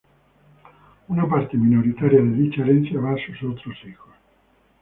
Una parte minoritaria de dicha herencia va a sus otros hijos.